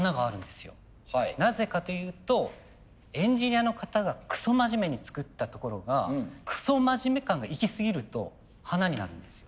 なぜかというとエンジニアの方がくそ真面目に作ったところがくそ真面目感がいきすぎると華になるんですよ。